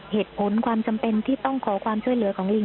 เหตุผลความจำเป็นที่ต้องขอความช่วยเหลือของลิง